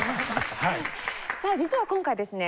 さあ実は今回ですね